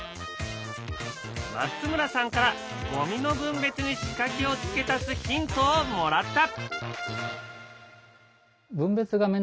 松村さんからゴミの分別に仕掛けを付け足すヒントをもらった！